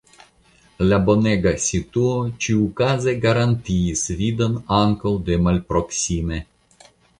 La bonega situo ĉiukaze garantiis vidon ankaŭ de malproksime.